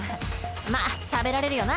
まぁ食べられるよな